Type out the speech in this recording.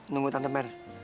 nunggu tante mer